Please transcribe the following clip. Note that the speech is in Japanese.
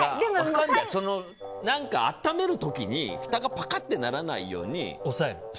何か、温める時にふたがぱかってならないように押さえる？